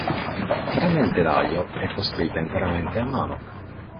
Tranne il telaio, è costruita interamente a mano.